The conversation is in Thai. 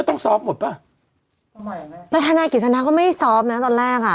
ทนายกิริสณก็ไม่ซอฟตอนแรกอ่ะ